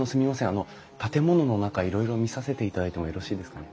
あの建物の中いろいろ見させていただいてもよろしいですかね？